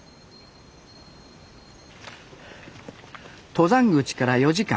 登山口から４時間。